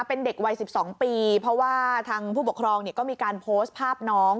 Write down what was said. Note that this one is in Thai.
เป็นเด็กวัย๑๒ปีเพราะว่าทางผู้ปกครองก็มีการโพสต์ภาพน้อง